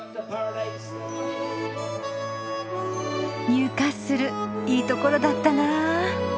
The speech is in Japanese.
ニューカッスルいいところだったなぁ。